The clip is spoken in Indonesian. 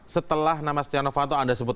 setelah nama stiano fanto anda sebut